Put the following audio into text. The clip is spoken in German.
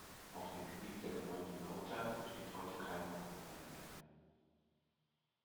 Auf dem Gebiet der Gemeinde Lauter besteht heute keine Brauerei mehr.